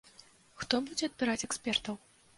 Хто будзе адбіраць экспертаў?